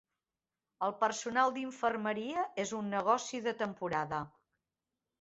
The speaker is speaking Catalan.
El personal d'infermeria és un negoci de temporada.